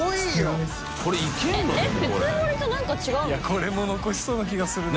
これも残しそうな気がするな。